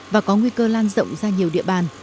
và có nguy cơ lan rộng ra nhiều địa bàn